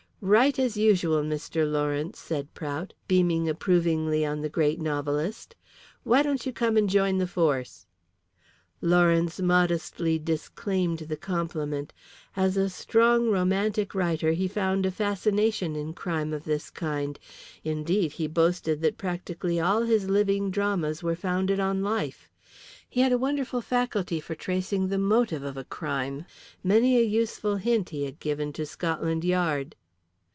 "Right as usual, Mr. Lawrence," said Prout, beaming approvingly on the great novelist. "Why don't you come and join the force?" Lawrence modestly disclaimed the compliment. As a strong romantic writer he found a fascination in crimes of this kind; indeed, he boasted that practically all his living dramas were founded on life. He had a wonderful faculty for tracing the motive of a crime. Many a useful hint had he given to Scotland Yard.